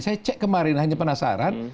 saya cek kemarin hanya penasaran